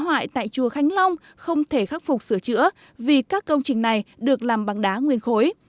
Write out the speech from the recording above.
hại tại chùa khánh long không thể khắc phục sửa chữa vì các công trình này được làm bằng đá nguyên khối